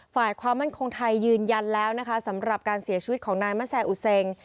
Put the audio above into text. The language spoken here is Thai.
ฝ่ายความมั่นคงไทยยืนยันแล้วนะคะสำหรับการเสียชีวิตของนายมะแซ่อุเซง